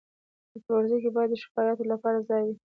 په پلورنځي کې باید د شکایاتو لپاره ځای وي.